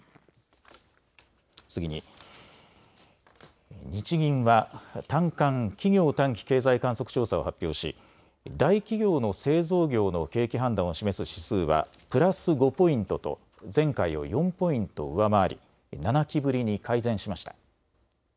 次に、日銀は短観・企業短期経済観測調査を発表し大企業の製造業の景気判断を示す指数はプラス５ポイントと前回を４ポイント上回り７期ぶりに改善しました。